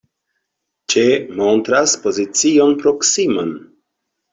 Ĉe montras pozicion proksiman.